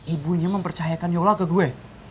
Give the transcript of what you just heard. ibunya mempercayakan yola ke gue